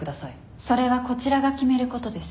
それはこちらが決めることです。